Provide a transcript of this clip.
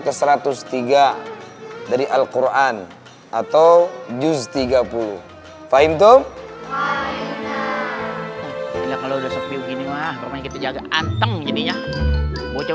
ke satu ratus tiga dari alquran atau juz tiga puluh fahim tuh ya kalau udah sepi begini wah kita jaga antem jadinya